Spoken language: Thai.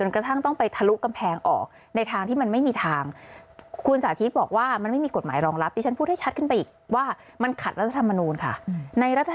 ค้านนี่คือสิ่งที่มันหยัดไว้ในรัฐธรรมนุนนะคะ